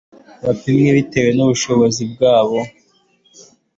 Bapimwe bitewe nubushobozi bwabo